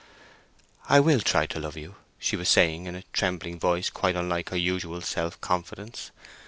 "I will try to love you," she was saying, in a trembling voice quite unlike her usual self confidence.